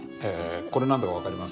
これ何だか分かります？